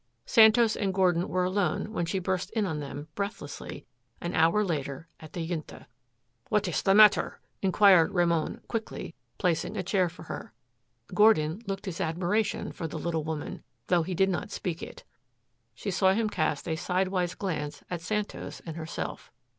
Santos and Gordon were alone when she burst in on them, breathlessly, an hour later at the Junta. "What is the matter?" inquired Ramon quickly, placing a chair for her. Gordon looked his admiration for the little woman, though he did not speak it. She saw him cast a sidewise glance at Santos and herself.